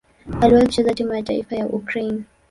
Aliwahi kucheza timu ya taifa ya Ukraine.